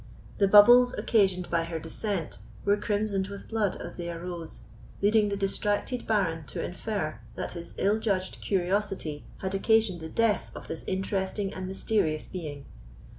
The bubbles occasioned by her descent were crimsoned with blood as they arose, leading the distracted Baron to infer that his ill judged curiosity had occasioned the death of this interesting and mysterious being.